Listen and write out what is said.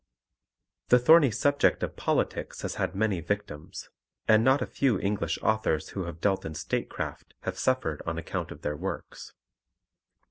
The thorny subject of Politics has had many victims, and not a few English authors who have dealt in State craft have suffered on account of their works.